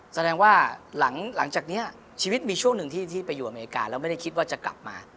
แสดงว่าหลังจากนี้ชีวิตมีช่วงหนึ่งที่ไปอยู่อเมริกาแล้วไม่ได้คิดว่าจะกลับมา